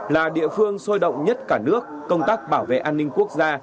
là địa phương sôi động nhất cả nước công tác bảo vệ an ninh quốc gia